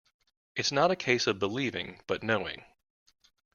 It's not a case of believing, but knowing.